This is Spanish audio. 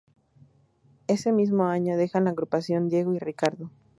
Ese mismo año dejan la agrupación Diego y Ricardo.